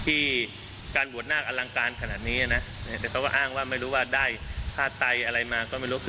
ที่การบวชนาคอลังการขนาดนี้เขาก็อ้างไม่รู้ว่าได้ภาษาใต้อะไรมา